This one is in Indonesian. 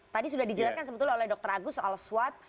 tadi sudah dijelaskan sebetulnya oleh dr agus soal swab